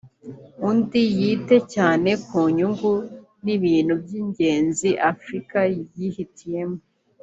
ubundi yite cyane ku nyungu n’ibintu by’ingenzi Afurika yihitiyemo